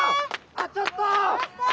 あとちょっと！